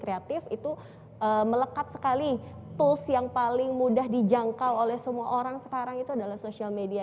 karena kalau kita ngomongin industri kreatif itu melekat sekali tools yang paling mudah dijangkau oleh semua orang sekarang itu adalah social media